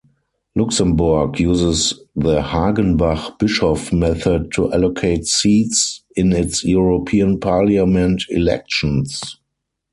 Luxembourg uses the Hagenbach-Bischoff method to allocate seats in its European Parliament elections.